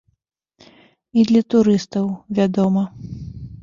І для турыстаў, вядома.